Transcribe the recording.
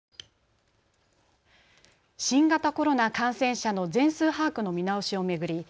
新型コロナ感染者の全数把握の見直しを巡り